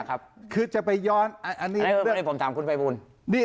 คือจะไปย้อนอันนี้เรายังไม่เรียกว่าผมถามคุณภัยบุญ